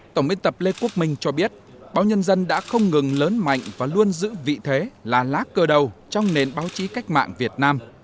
tổng biên tập lê quốc minh cho biết báo nhân dân đã không ngừng lớn mạnh và luôn giữ vị thế là lá cơ đầu trong nền báo chí cách mạng việt nam